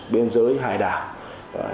biên giới hai đảo